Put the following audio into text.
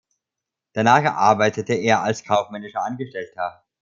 Danach arbeitete er als kaufmännischer Angestellter.